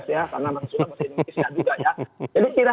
karena bahasa sunda masih indonesia juga ya